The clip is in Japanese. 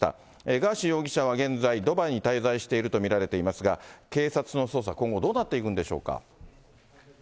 ガーシー容疑者は現在ドバイに滞在していると見られていますが、警察の捜査、今後、どうなっていくんでしょうか。